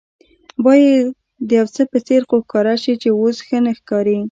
باید د یوڅه په څېر خو ښکاره شي چې اوس ښه نه ښکاري.